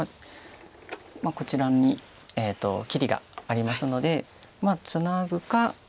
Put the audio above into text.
こちらに切りがありますのでツナぐか。